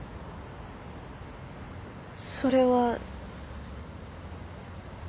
それは。